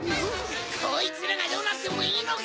こいつらがどうなってもいいのか？